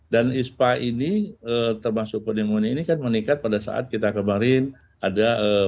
dan ispa ini termasuk pneumonia ini kan meningkat pada saat kita kemarin ada pulau